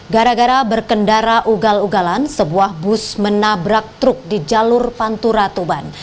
gara gara berkendara ugal ugalan sebuah bus menabrak truk di jalur pantura tuban